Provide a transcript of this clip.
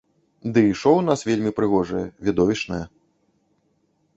Дый шоў у нас вельмі прыгожае, відовішчнае.